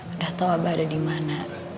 udah tahu abah ada di mana